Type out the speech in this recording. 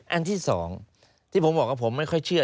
อันที่สองที่ผมบอกว่าผมไม่ค่อยเชื่อ